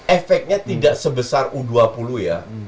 efeknya tidak sebesar u dua puluh ya